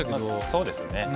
そうですね。